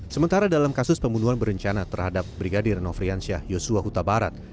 sementara dalam kasus pembunuhan berencana terhadap brigadir nofriansyah yosua huta barat